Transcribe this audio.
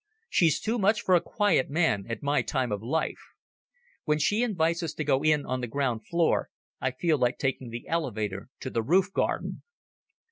She's too much for a quiet man at my time of life. When she invites us to go in on the ground floor I feel like taking the elevator to the roof garden."